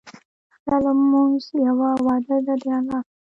هره لمونځ یوه وعده ده د الله سره.